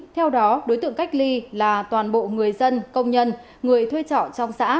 theo đó đối tượng cách ly là toàn bộ người dân công nhân người thuê trọ trong xã